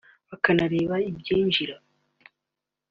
bakanareba ibyinjira